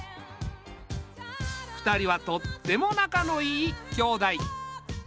２人はとってもなかのいい兄妹。